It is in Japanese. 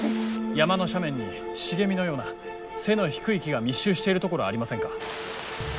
山の斜面に茂みのような背の低い木が密集しているところありませんか？